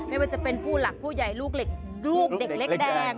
ไม่ว่าจะเป็นผู้หลักผู้ใหญ่ลูกเด็กเล็กแดง